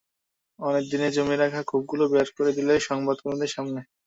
অনেক দিনের জমিয়ে রাখা ক্ষোভগুলো বের করে দিলেন সংবাদ কর্মীদের সামনে।